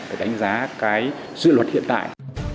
để đánh giá sự luật hiện tại